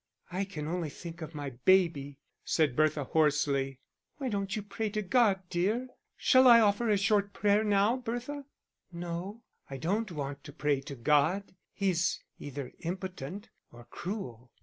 "I can only think of my baby," said Bertha, hoarsely. "Why don't you pray to God, dear shall I offer a short prayer now, Bertha?" "No, I don't want to pray to God He's either impotent or cruel."